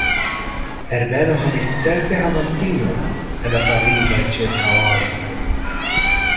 Herbeno havis certe amantinon en la Parizaj ĉirkaŭaĵoj.